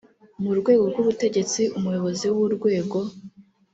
mu rwego rw ubutegetsi umuyobozi w urwego